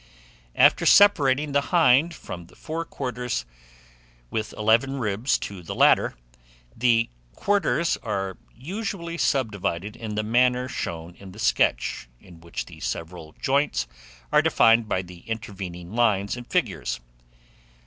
After separating the hind from the fore quarters, with eleven ribs to the latter, the quarters are usually subdivided in the manner shown in the sketch, in which the several joins are defined by the intervening lines and figures.